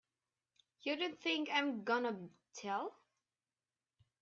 You don't think I'm gonna tell!